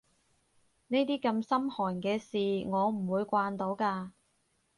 呢啲咁心寒嘅事我唔會慣到㗎